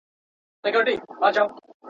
ټیک راسره وژړل پېزوان راسره وژړل.